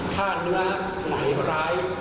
ถ้าเนื้อไหนร้าย